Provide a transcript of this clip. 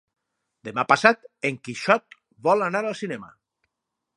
Demà passat en Quixot vol anar al cinema.